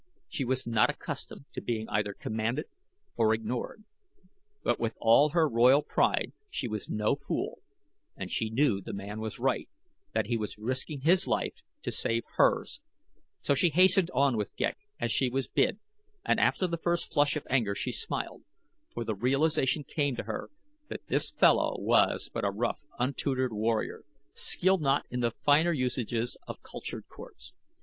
She was not accustomed to being either commanded or ignored, but with all her royal pride she was no fool, and she knew the man was right, that he was risking his life to save hers, so she hastened on with Ghek as she was bid, and after the first flush of anger she smiled, for the realization came to her that this fellow was but a rough untutored warrior, skilled not in the finer usages of cultured courts.